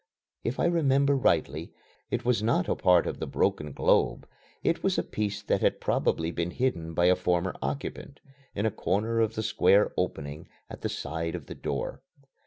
If I remember rightly, it was not a part of the broken globe. It was a piece that had probably been hidden by a former occupant, in a corner of the square opening at the side of the door.